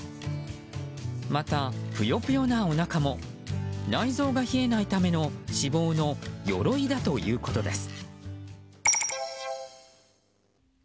また、ぷよぷよなおなかも内臓が冷えないための脂肪のよろいだということです。